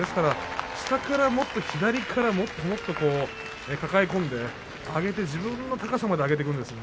下からもっと左から抱え込んで上げて自分の高さまで上げてくるんですね。